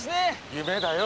夢だよ。